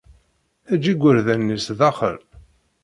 Eǧǧ igerdan-nni sdaxel!